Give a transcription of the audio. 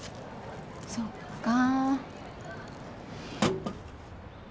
そっか。